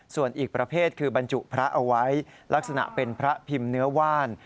ส่วนอีกประเภทคือบรรจุพระเอาไว้ลักษณะเป็นพระพิมพ์เนื้อว่าน